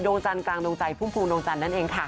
โดงจันทร์กลางโดงใจภูมิภูมิโดงจันนั่นเองค่ะ